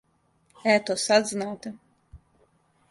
Ето, сад знате.